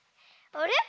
あれ？